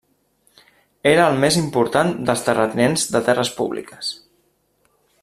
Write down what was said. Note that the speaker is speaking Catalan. Era el més important dels terratinents de terres públiques.